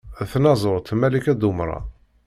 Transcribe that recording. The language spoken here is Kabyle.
D tnaẓurt Malika Dumran.